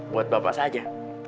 buat bapak saja